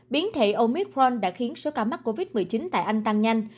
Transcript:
biến thể omicron đã khiến số ca mắc covid một mươi chín tại anh tăng nhanh